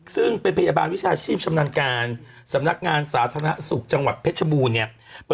ซึ่งเป็นพยาบาลวิชาชีพชำนาญการสำนักงานสาธารณสุขจังหวัดเพชรบูรณ์เนี่ย